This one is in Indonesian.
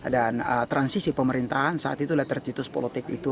dan transisi pemerintahan saat itu latar titus politik itu